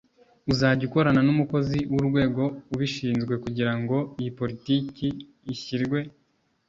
uzajya ukorana n umukozi w Urwego ubishinzwe kugira ngo iyi Politiki ishyirwe